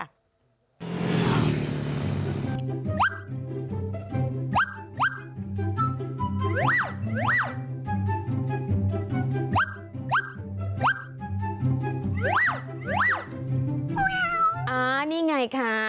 อ่านี่ไงคะ